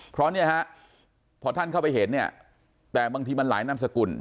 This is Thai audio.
เพราะเนี่ยฮะพอท่านเข้าไปเห็นเนี่ยแต่บางทีมันหลายนามสกุล